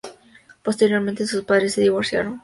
Posteriormente sus padres se divorciaron.